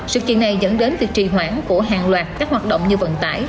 sự kiện này dẫn đến việc trì hoãn của hàng loạt các hoạt động như vận tải